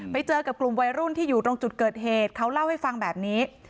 ไปเจอกับกลุ่มวัยรุ่นที่อยู่ตรงจุดเกิดเหตุเขาเล่าให้ฟังแบบนี้